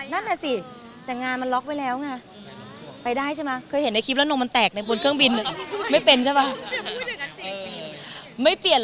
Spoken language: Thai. นั่นแหละสิแต่งานมันล็อคไว้แล้วไง